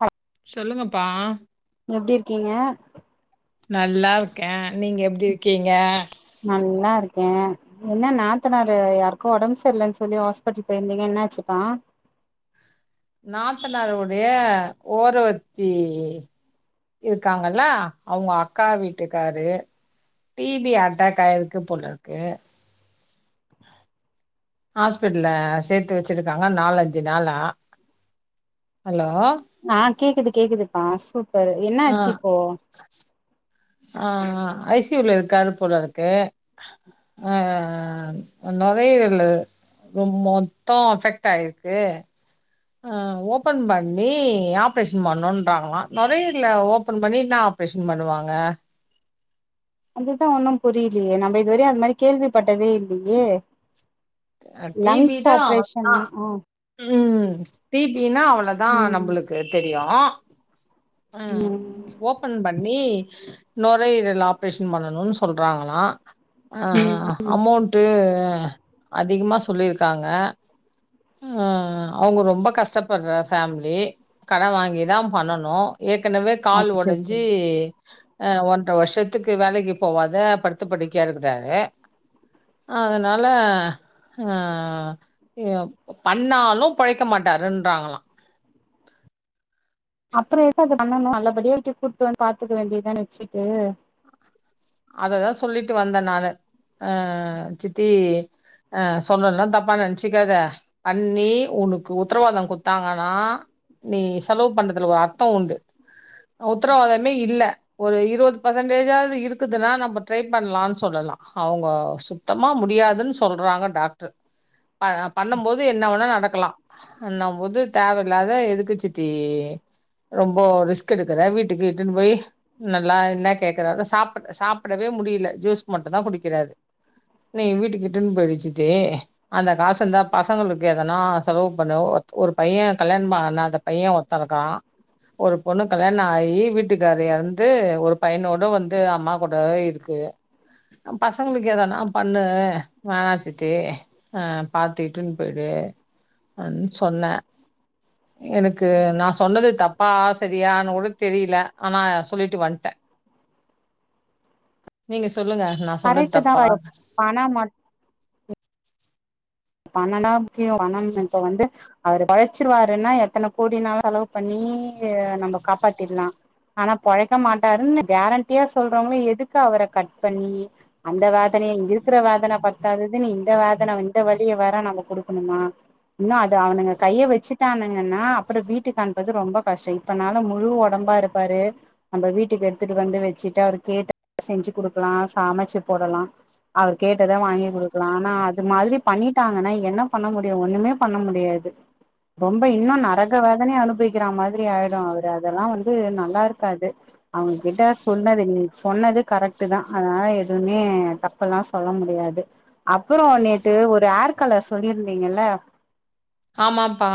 Hello சொல்லுங்கப்பா எப்டி இருக்கீங்க நல்லா இருக்க நீங்க எப்டி இருக்கீங்க நல்லா இருக்கே என்ன நாத்தனாரு யாருக்கோ ஒடம்பு சரில்லன் சொல்லி ஹாஸ்பிட்டல் போயிருந்தீங்க என்னாச்சுப்பா நாத்தனாரு உடைய ஓரவத்தி இருக்காங்களா அவ்ங்க அக்கா வீட்டுக்காரு டி பி அட்டாக் ஆய்ருக்கு போல இருக்கு ஹாஸ்பிட்ல சேத்து வச்சிருக்காங்க நாலஞ்சு நாளா ஹலோ ஆ கேக்குது கேக்குதுபா சூப்பர் ஆ என்னாச்சு இப்போ ஆ ஐ சி யூ ல இருக்காரு போல இருக்கு ஆ நொரையீரலு அது மொத்தோ அஃபெக்ட் ஆய்ர்க்கு ஆ ஓபன் பண்ணி ஆப்ரேஷன் பண்ணுன்றாங்ளா நொரையீர்ல ஓபன் பண்ணி நாப் ப்ரேஷன் பண்ணுவாங்க அதுதா ஒன்னு புரிலையே நம்ம இதுவரையு அது மாரி கேள்விப்பட்டதே இல்லையே அ டிபி லங்ஸ் தான் அவ்வளதான். ஆப்ரேஷனா ஆ ம் டி பி னா அவுளோதா ம் நம்மளுக்கு தெரியு ஆ ம் ஓபன் பண்ணி நொரயீரல் ஆப்ரேஷன் பண்ணணுன் சொல்றாங்களா ஆ ம் அமௌண்ட்டு அதிகமா சொல்லிருக்காங்க ஆ அவ்ங்க ரொம்ப கஷ்டப்பட்ற ஃபேம்லி கடன் வாங்கிதா பண்ணணு ஏற்கனவே கால் அச்சச்சோ ஒடஞ்சு ஆ ஒன்ற வருஷத்துக்கு வேலைக்கு போவாத படுத்து படுக்யா இருந்தாரு அதனால அ எப் பண்ணாலு பொழைக்க மாட்டாருன்றாங்களா அப்புற எதுக்கு அத பண்ணணு நல்லபடியா வீட்டுக் கூட்டு வந்து பாத்துக்க வேண்டியதான வச்சுட்டு அததா சொல்லிட்டு வந்தே நானு அ சித்தி ஆ சொல்றேன்னா தப்பா நென்ச்சுக்காத அண்ணி உனக்கு உத்தரவாதொ குத்தாங்கன்னா நீ செலவு பண்றதுல ஒரு அர்த்தம் உண்டு உத்ரவாதமே இல்ல ஒரு இருவது பெர்சன்டேஜாது இருக் க்குதுன்னா நம்ம ட்ரை பண்ணலானு சொல்லலா அவுங்க சுத்தமா முடியாதுன் சொல்றாங்க டாக்ட்ர் ப பண்ணும் போது என்ன வேணா நடக்கலா அன்னம் போது தேவல்லாத எதுக்கு சித்தி ரொம்ப ரிஸ்க் எடுக்கற வீட்டுக்குட்டுன்னு போய் நல்லா என்ன கேக்குறாரோ சாப் பாட்ட சாப்டவே முடியல ஜூஸ் மட்டுந் தா குடிக்ரார் நீ வீட்டுக்கிட்டுன்னு போயிடுச் சித்தி அந்த காசு இருந்தா பசங்களுக்கு எதுனா செலவு பண்ணு ஒத் ஒரு பையே கல்யாணம் பன்னாத பைய ஒர்த்த இருக்கா ஒரு பொண்ணு கல்யாண ஆயி வீட்டுக்கார எறந்து ஒரு பையனோட வந் ந்து அம்மா கூடவே இருக்குது பசங்களுக்கு எதனா பண்ணு வேனாச் சித்தி அ பாத்துட்டுன் போயிடு அன் சொன்னே எனக்கு நா சொன்னது தப்பா சரியான்னு கூட தெரியல ஆனா சொல்லிட்டு வந்ட்டே நீங்க சொல்லுங்க நா சொன்னது கரெக்ட் தா தப்பா? வரு ஆனா மத் பன்னனா முக்கியொ பணம் இப்ப வந்து அவரு பொளச்சிருவாருன்னா எத்தன கோடினாலு செலவு பண்ணி எ நம்ம காப்பாத்திட்லா ஆனா பொழைக்க மாட்டாருன்னு கேரண்டியா சொல்றவங்கள எதுக்கு அவர கட் பண்ணி அந்த வேதனைய இருக்ற வேதன பத்தாதுன்னு இந்த வேதன இந்த வ லிய வேற நம்ம கொடுக்கணுமா இன்னு அது அவனுங்க கைய வச்சுட்டானுங்கன்னா அப்ற வீட்டுக்கு அனுப்பது ரொம்ப கஷ்டொ இப்பனால முழு ஒடம்பா இருப்பாரு நம்ம வீட்டுக்கு எடுத்துட்டு வந்து வச்சுட்டு அவர் கேட்டா செஞ்சு கொடுக்கலாம் சமைச்சு போடலாம் அவர் கேட்டத வாங்கி கொடுக்கலாம் ஆனா அது மாதிரி பண்ணிட்டாங்கன்னா என்ன பண்ண முடியும் ஒன்னுமே பண்ண முடியாது ரொம்ப இன்னும் நரக வோதனையே அனுபவிக்கிற மாதிரி ஆயிடும் அவரு அதெல்லாம் வந்து நல்லா இருக்காது அவங்க கிட்ட சொன்னது நீ சொன்னது கரெக்டு தான் அதனால எதுவுமே த ப்பெல்லாம் சொல்ல முடியாது அப்புறம் நேத் து ஒரு ஆர்கலர் சொல்லியிருந்தீங்கல்ல ஆமாம்ப்பா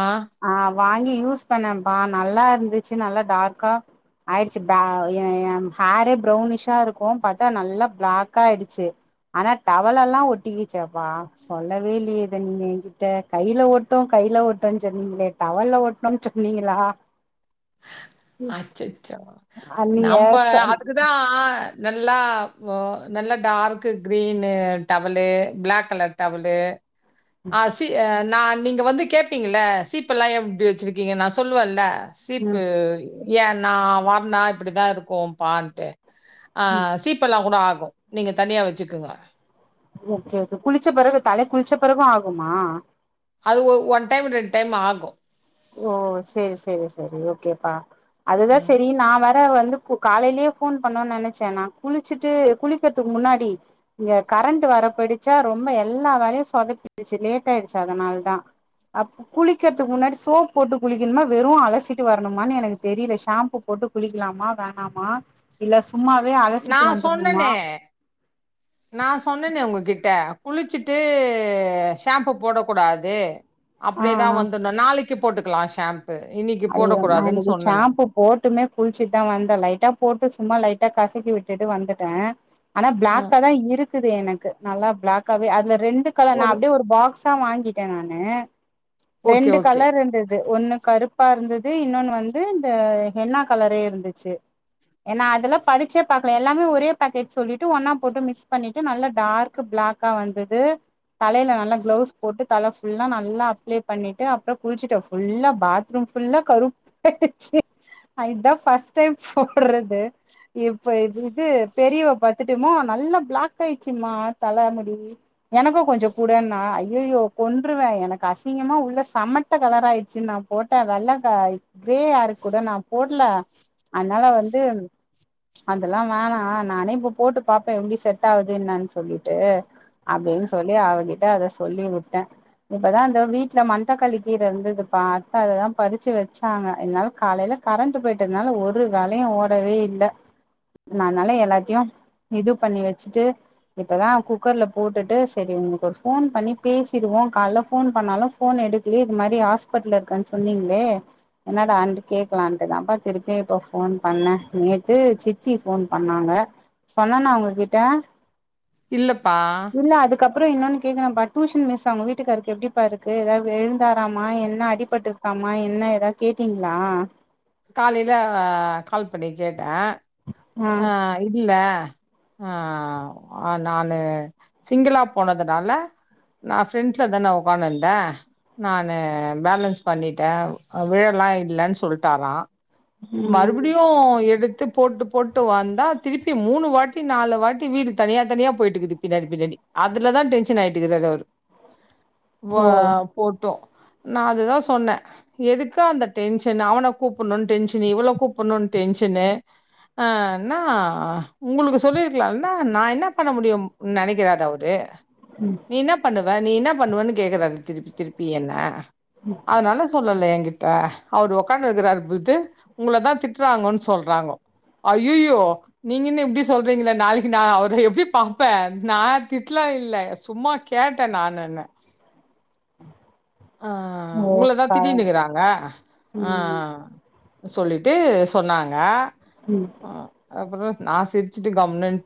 ஆ வாங்கி யூஸ் பண்ணேன்ப்பா நல்லா இருந்துச்சு நல்லா டார்க்கா ஆயிடுச்சு ப என் ஹேரே ப்ரௌனிஷா இருக்கும் பாத்தா நல்லா பிளாக்கா ஆயிடுச்சு ஆனா டவல் எல்லாம் ஒட்டிக்கிச்சேப்பா சொல்லவே இல்லையே இத நீ என்கிட்ட கையில ஓட்டும் கையில ஓட்டும்ன்னு சொன்னிங்களே டவல்ல ஒட் டும்னு சொன்னீங்களா அச்சச்சோ அ நீங்க நம்ப அதுக்குதான் நல்லா ஒ நல்லா dark green towel black colour towel ஆசி எ நா நீங்க வந்து கேப்பீங்கள சீப்பல்லா எப்டி வச்சிருக்கீங்க நா சொல்லுவேல்ல ஸ் ம் ஏ நா வார்னா இப்படிதா இருக்கு பான்ட்டு ஆ ம் சீப்பல்லா கூட ஆகு நீங்க தனியா வச்சுக்குங்க ஓகே ஓகே குளிச்ச பிறகு தலைக்கு குளிச்ச பிறகு ஆகுமா அது ஒ ஒன் டைம் ரெண்டு டைம் ஆகு ஓ செரி செரி செரி ஓகேப்பா அதுதா ம். செரி நா வேற வந்து கு காலையிலயே ஃபோன் பண்ணனு நெனைச்சே நா குளிச்சுட்டு குளிக்கிறதுக்கு முன்னாடி இங்க கரண்ட் வர போயிடுச்சா ரொம்ப எல்லா வேலையு சொதப்பிடுச்சு லேட் ஆயிடுச்சு அதனால தா அப்ப குளிக்கிறதுக்கு முன்னாடிஸ் சோப் போட்டு குளிக்கணுமா வெறு அலசிட்டு வரணுமான்னு எனக்கு தெரியல ஷாம்பு போட்டு குளிக்கலாமா வேணாமா இல்ல சும்மாவே அலசிட்டு நான் வந்தர்ணுமா நா சொன்னேன்னே உங்க கிட்ட குளிச்சுட்டு ஷாம்பு போடக்கூடாது ஆ அப்படியேதா ஆ வந்துர்ணு நாளைக்கு போட்டுக்கலா ஷாம்பு இன்னைக்கு போட ஐயோ நா கூடாதுன்னு இன்னைக்கு சொன்னனா ஷாம்பு போட்டுமே குளிச்சுட்டுதா வந்தே லைட்டா போட்டு சும்மா லைட்டா கசக்கி விட்டுட்டு வந்துட்டே ஆனா ம். பிளாக்கா தா இருக்குது எனக்கு நல்லா பிளாகக்காவே அதுல ரெண்டு கலர் நா அப்டியே ஒரு பாக்ஸ் பா வாங்கிட்டே நானு ஓகே, ரெண்டு ஓகே. கலர் இருந்தது ஒன்னு கருப் பா இருந்தது இன்னொன்னு வந்து இந்த ஹென்னா கலரே இருந்துச்சு ஏன்னா அதுல படிச்சே பாக்கலா எல்லாமே ஒரே பேக்கெட் சொல்லிட்டு ஒன்னா போட்டு மிக்ஸ் பண்ணிட்டு நல்லா டார்க் பிளாக் கா வந்தது தலையில நல்லா கிளவுஸ் போட்டு தல ஃபுல்லா நல்லா அப்ளை பண்ணிட்டு அப்றோ குளிச்சுட்டே ஃபுல்லா பாத் [unintelligible] ஃபுல்லா கருப்பு ஆச்சு ஆ இதா ஃபஸ்ட் டைம் போட்றது இப்ப இது இது பெரியவ பாத்துட்டு அம்மா நல்ல பிளாக் ஆயிச்சுமா தல முடி எனக்கும் கொஞ்சம் கூடன்னா ஐயையோ கொன்றுவே எனக்கு அசிங்கமா உள்ள சமட்ட கலார ஆயிடுச்சு நாப் போட்டா வெள்ளக்கா கிரே ஹேர்க்கு கூட நா போட்ல அதனால வந்து அதெல்லா வேணா நானே இப்ப போட்டு பாப்பே எப்டி செட் ஆகுது என்னான்னு சொல்லிட்டு அப்டின்னு சொல்லி அவகிட்ட அத சொல்லி விட்டே இப்பதா இந்த வீட்டுல மனத் தக்காளி கீர இருந்ததுப்பா அதுதா பறிச்சு வச்சாங்க என்னால காலையில கரண்ட் போயிட்டதுனால ஒரு வேலையு ஓடவே இல்ல நா அதனால எல்லாத்தையு இது பண்ணி வச்சுட்டு இப்பதா குக்கர்ல போட்டுட்டு செரி உங்களுக்கு ஒரு ஃபோன் பண்ணி பேசிடுவோ காலைல ஃபோன் பண்ணாலு ஸ் ஃபோன் எடுக்கலேயே இது மாரி ஹாஸ்பிடல்ல இருக்கனு சொன்னீங்களே என்னடா அன்ட்டு கேக்கலான்ட்டு தா அப்ப திருப்பியு இப்ப ஃபோன் பண்ணே நேத்து சித்தி ஃபோன் பண்ணாங்க சொன்னன்னா உங்ககிட்ட இல்லப்பா இல்ல அதுக்கப்புறோ இன்னொன்னு கேக்கணு டியூஷன் மிஸ் அவங்க வீட்டுக்காருக்கு எப்டிப்பா இருக்கு ஏதாவது எழுந்தராமா என்ன அடிப் பட்ருக்காமா என்ன ஏதாவது கேட்டீங்களா காலில கால் பண்ணி கேட்டே ஆ அ இல்ல அ நானு சிங்கள போனதுனால நா ஃப்ரெண்ட்ஸ்ஸா தா நா ஒக்கான்னுந்த நானு பேலன்ஸ் பண்ணிட்டே அ விழல்லா இல்லன்னு சொல் ட்டாரா ம் மறுபடியு எடுத்து போட்டு போட்டு வந்தா திருப்பி மூணு வாட்டி நாலு வாட்டி வீடு தனியா தனியா போயிட்டுக்குது பின்னாடி பின்னாடி அதுலதா டென்ஷன் ஆயிட்டுக்கிறாரு அவரு வ ஓ போட்டோ நா அதுதா சொன்னே எதுக்கு அந்த டென்ஷனு அவன கூப்புட்ணுனு டென்ஷனா இவள கூப்புட்ணுனு டென்ஷனு ஆ ன்னா உங்களுக்கு சொல்லிருக்கலால்ல நா என்ன பண்ண முடியு நெனைக்கிதாரு அவரு ம் நீ என்ன பண்ணுவ நீ என்ன பண்ணுவன்னு கேக்குறாரு திருப்பி திருப்பி என்ன ம் அதனால சொல்லல எங்கிட்ட அவர் உக்கா ந்துருக்கிறாரு துட்டு உங்கள தா திட்டுறாங்கோன்னு சொல்றாங்கோ ஐய்யயோ நீங்க என்ன இப்டி சொல்றீங்களே நாளைக்கு நா அவர எப்டி பாப்பே நா திட்லா இல்ல சும்மா கேட்ட நானுன்ன ஆ உங்களதா ஓக்கா திட்டீனுக்கறாங்க ஆ ம் சொல்லிட்டு சொன்னாங்க ம் ஆ அப்புற நா சிரிச்சுட்டு கம்னுன்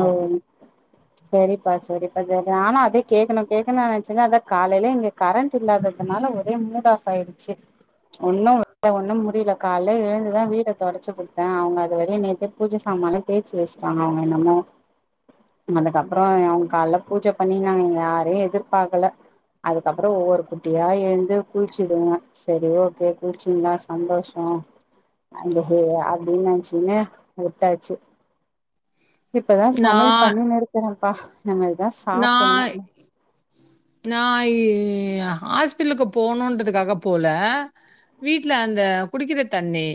ஓ செரிப்பா செரிப்பா செரி ஆனா அதே கேக்கணு கேக்கணுன் நெனச்சிருந்த அதா காலையில இங்க கரண்ட் இல்லாததுனால ஒரே மூட் ஆஃப் ஆயிடுச்சு ஒன்னு வேல ஒன்னு முடியல கால்ல எழுந்துதா வீட தொடச்சு குடுத்தே அவுங்க அது வரையு நேத்தே பூஜ சாமன்லா தேச்சு வச்சுட்டாங்க அவுங்க என்னமோ அதுக்கப்புற அவுங்க கால பூஜை பண்ணினாங்க எங்க யாரையு எதிர்பாக்கல அதுக்கப்புற ஒவ்வொரு குட்டியா எழுந்து குளிச்சிதுங்க சரி ஓகே குளிச்சிங்களா சந்தோஷ அந்த ஹே அப்டின்னு நெனச்சுன்னு விட்டாச்சு இப்பதா சமையல் நான் பண்ணினுருக்கிறேப்பா இனிமேல் சாப்புட்ணு நா இ ஹாஸ்பிட்லுக்கு போனுன்றதுக்காக போல வீட்ல அந்த குடிக்கிற தண்ணி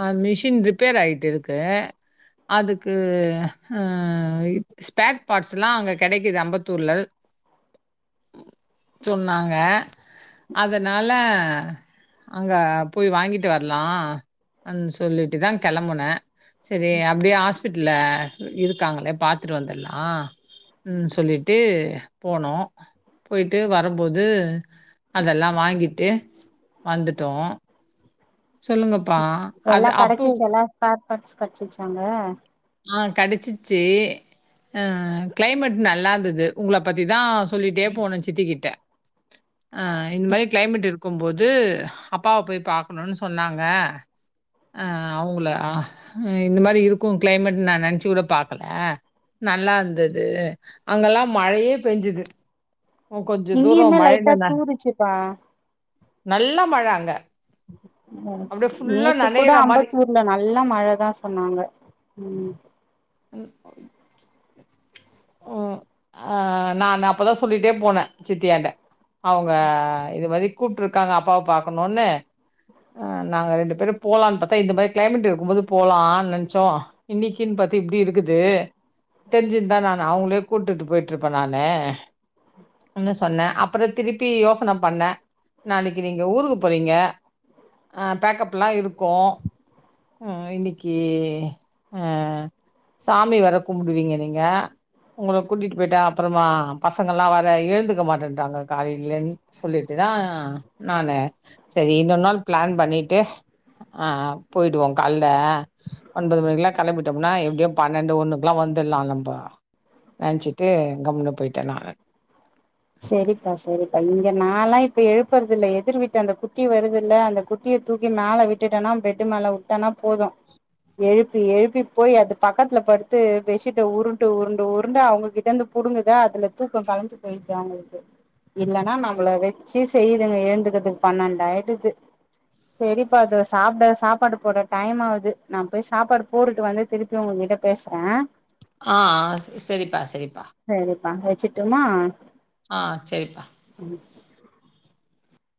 ஆ மிஷின் ரிப்பேர் ஆயிட்டு இருக்கு அதுக்கு ஆ ஸ்பேர் பார்ட்ஸ்லா அங்க கெடைக்குது அம்பத்தூர்ல சொன்னாங்க அதனால அங்க போய் வாங்கிட்டு வர்லா அனு சொல்லிட்டு தா கெளம்புனே செரி அப்டியே ஹாஸ்பிட் ல இருக்காங்களே பாத்துட்டு வந்துர்லா ம் சொல்லிட்டு போனோ போயிட்டு வரம்போது அதெல்லா வாங்கிட்டு வந்துட்டோ சொல்லுங்கப்பா அது அப்போ ஸ்பார் பாட்ஸ் கெடச்சிச்சாங்க ஆ கெடச்சிச்சு ஆ கிளைமேட் நல்லா இருந்தது உங்கள பத்திதா சொல்லிட்டே போனோ சித்திக்கிட்டே ஆ இந்த மாரி கிளைமேட் இருக்கும்போது அப்பாவ போய் பாக்கணுன்னு சொன்னாங்க ஆ அவுங்கள இந்த மாரி இருக்கு கிளைமேட் நா நெனச்சு கூட பாக்கல நல்லா இருந்தது அங்கெல்லா மழையே பேஞ்சுது உ கொஞ்ச தூரோ இங்கேயுமே மழையில லைட்டா ந தூருச்சுப்பா நல்ல மழ அங்க அப்படியே ஃபுல்லா நேத்து கூடோ நனையிற மாரி. அம்பத்தூர் இங்க நல்ல மழதா சொன்னாங்க ம் ம் ம் ஆ நானு அப்பதா சொல்லிட்டே போன சித்தியாண்ட அவுங்க இது மாரி கூப்ட்டு இருக்காங்க அப்பாவ பாக்கணுனு ஆ நாங்க ரெண்டு பேரும் போலான்னு பாத்தா இந்த மாரி கிளைமேட் இருக்கும் போது போகலான் நெனைச்சோ இன்னைக்கின் பாத்து இப்டி இருக்குது தெரிஞ்சிருந்தா நானு நா உங்கள கூட்டுட்டு போயிட்டு இருப்ப நானு சொன்ன அப்புறம் திருப்பி யோசன பண்ண நாளைக்கு நீங்க ஊருக்கு போறீங்க அ பேக்கப் எல்லா இருக்கும் ஆ இன்னைக்கு ஆ சாமி வேற கும்புடுவீங்க நீங்க உங்கள கூட்டிட்டு போயிட்டா அப்புறமா பசங்க எல்லா வேற எழுந்துக்க மாட்டேன்ட்றாங்க காலையிலன்னு சொல்லிட்டுதா நானு சேரி இன்னொரு நாள் பிளான் பண்ணிட்டு ஆ போயிடுவோம் காலையில ஒன்பது மணிக்கெல்லா கெளம்பிட்டோம்னா எப்டியோ பன்னெண்டு ஒண்ணுக்கெல்லாம் வந்துடலாலம்ப்பா நெனச்சிட்டு கம்முனு போயிட்ட நானு சேரிப்பா சேரிப்பா இங்க நாலாம் இப்ப எழுப்புறது இல்ல எதிர் வீட்டு அந்த குட்டி வருதுல்ல அந்த குட்டி குட்டிய தூக்கி மேல விட்டுட்டனா பெட்டு மேல வுட்டனா போதும் எழுப்பி எழுப்பி போய் அது பக்கத்துல படுத்து பெட்ஷீட்ட உருட்டு உருண்டு உருண்டு அவுங்ககிட்ட இருந்து புடுங்குதா அதுல தூக்கம் களஞ்சி போயி இல்லன்னா நம்மள வெச்சு செய்துங்க எழுந்துக்கதுக்கு பன்னென்டாயிடுது சேரிப்பா அது சாப்ட சாப்பாடு போட டைம் ஆகுது நா போய் சாப்பாடு போட்டுட்டு வந்து திருப்பி உங்ககிட்ட பேசுற ஆ ஆ சேரிப்பா சேரிப்பா செரிப்பா வச்சுட்டுமா ஆ சேரிப்பா ம்